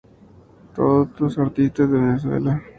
Todos artistas de Venezuela.